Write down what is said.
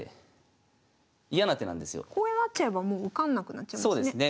こうなっちゃえばもう受かんなくなっちゃいますね。